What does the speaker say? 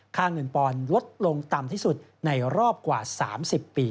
เงินปอนด์ลดลงต่ำที่สุดในรอบกว่า๓๐ปี